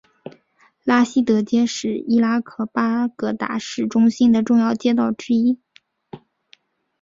拉希德街是伊拉克巴格达市中心的重要街道之一。